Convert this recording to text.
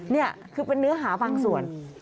นี่คือเป็นเนื้อหาบางส่วน